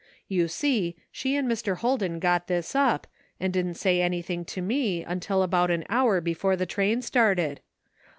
You see she and Mr. Holden got this up, and didn't say anything to me until about an hour before the train started.